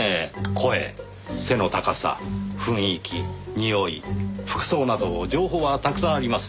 声背の高さ雰囲気におい服装など情報はたくさんあります。